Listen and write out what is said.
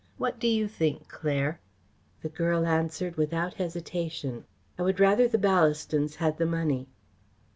What do you think, Claire?" The girl answered without hesitation. "I would rather the Ballastons had the money."